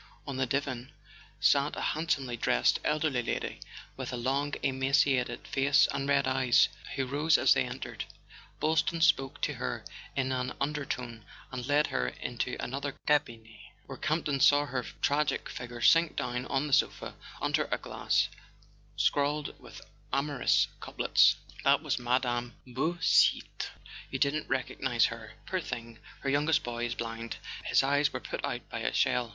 On the divan sat a handsomely dressed elderly lady with a long emaciated face and red eyes, who rose as they entered. Boylston spoke to her in an undertone and led her into another cabinet , where Campton saw her tragic figure sink down on the sofa, under a glass scrawled with amorous couplets. [ 156] A SON AT THE FRONT "That was Mme. Beausite. .. You didn't recognize her ? Poor thing! Her youngest boy is blind: his eyes were put out by a shell.